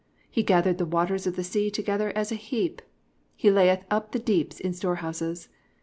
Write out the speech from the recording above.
(7) He gathereth the waters of the sea together as a heap: he layeth up the deeps in storehouses.